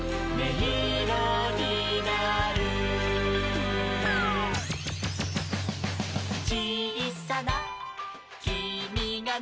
イロになる」「ちいさなきみがね」